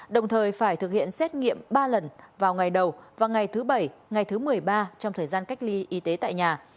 đồng thời phải thực hiện xét nghiệm ba lần vào ngày đầu và ngày thứ bảy ngày thứ một mươi ba trong thời gian cách ly y tế tại nhà